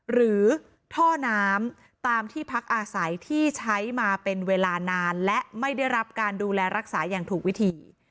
หรือท่อน้ำตามที่พักอาศัยที่ใช้มาเป็นเวลานานและไม่ได้รับการดูแลรักษาอย่างถูกวิธี